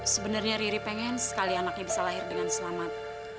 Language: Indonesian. sebenarnya riri pengen sekali anaknya bisa lahir dengan selamat